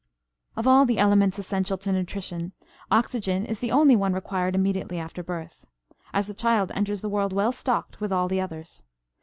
Of all the elements essential to nutrition, oxygen is the only one required immediately after birth; as the child enters the world well stocked with all the others.